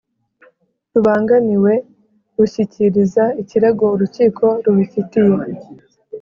rubangamiwe rushyikiriza ikirego urukiko rubifitiye